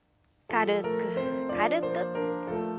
軽く軽く。